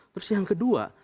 terus yang kedua